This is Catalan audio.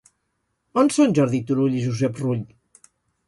On són Jordi Turull i Josep Rull?